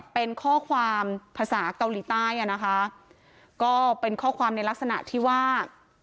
เป็นข้อความภาษาเกาหลีใต้อ่ะนะคะก็เป็นข้อความในลักษณะที่ว่า